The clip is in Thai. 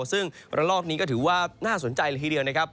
ซึ่งระลอกนี้ก็ถือว่าน่าสนใจละทีเดียวนะครับ